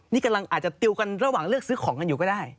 นี่กำลังอาจจะติวกันระหว่างเลือกซื้อของกันอยู่ก็ได้